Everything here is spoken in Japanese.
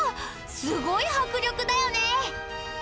すごい迫力だよね！